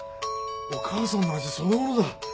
お母さんの味そのものだ